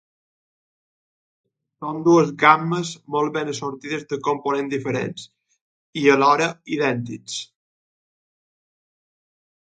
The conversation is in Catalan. Són dues gammes molt ben assortides de components diferents i, alhora, idèntics.